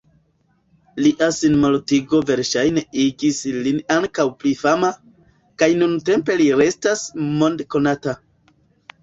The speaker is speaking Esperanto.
Lia sinmortigo verŝajne igis lin ankoraŭ pli fama, kaj nuntempe li restas mond-konata.